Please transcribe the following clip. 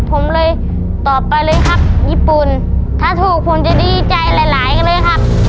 ผมเลยตอบไปเลยครับญี่ปุ่นถ้าถูกผมจะดีใจหลายหลายกันเลยครับ